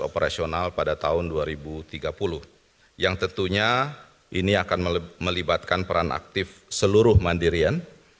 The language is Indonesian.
operasional pada tahun dua ribu tiga puluh yang tentunya ini akan melibatkan peran aktif seluruh mandirian